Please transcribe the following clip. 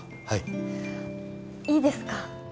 はいいいですか？